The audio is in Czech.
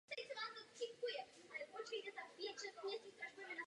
Na trati leží sedmnáct železničních stanic a zastávek.